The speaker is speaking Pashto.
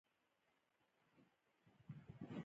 دوی پرمختګ کوونکي انسانان وي.